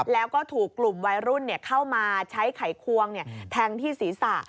แล้วก็ถูกกลุ่มวัยรุ่นเข้ามาใช้ไขควงแทงที่ศีรษะ